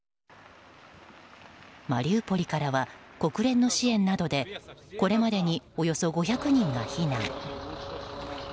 マリウポリからは国連の支援などでこれまでにおよそ５００人が避難。